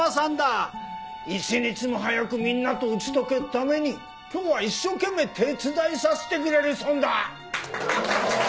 一日も早くみんなと打ち解けるために今日は一生懸命手伝いさしてくれるそうだ。